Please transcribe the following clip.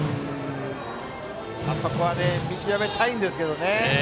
あそこは見極めたいんですけどね。